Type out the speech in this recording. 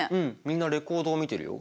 みんなレコードを見てるよ。